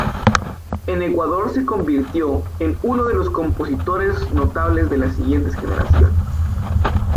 En Ecuador se convirtió en uno de los "compositores notables de las siguientes generaciones".